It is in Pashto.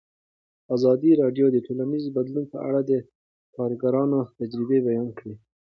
ازادي راډیو د ټولنیز بدلون په اړه د کارګرانو تجربې بیان کړي.